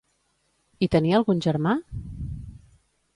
I tenia algun germà?